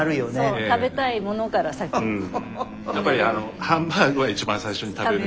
・やっぱりハンバーグは一番最初に食べる。